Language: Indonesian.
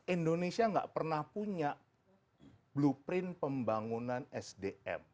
indonesia nggak pernah punya blueprint pembangunan sdm